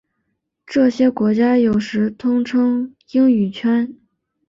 这些国家有时统称英语圈。